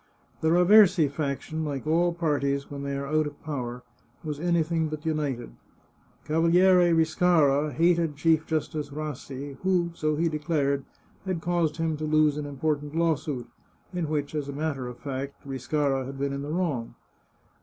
The Raversi faction, like all parties when they are out of power, was anything but united. Cavaliere Riscara hated Chief Justice Rassi, who, so he declared, had caused him to lose an important lawsuit, in which, as a matter of fact, Riscara had been in the wrong.